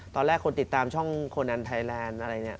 ตอนแรกคนติดตามช่องโคนันไทยแลนด์อะไรเนี่ย